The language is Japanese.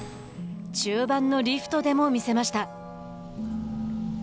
中盤のリフトでも見せました。